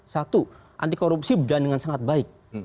satu anti korupsi berjalan dengan sangat baik